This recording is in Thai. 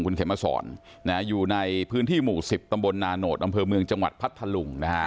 คุณเขมสอนอยู่ในพื้นที่หมู่๑๐ตำบลนาโนธอำเภอเมืองจังหวัดพัทธลุงนะฮะ